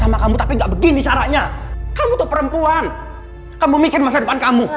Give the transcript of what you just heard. sama kamu tapi gak begini caranya kamu tuh perempuan kamu mikir masa depan kamu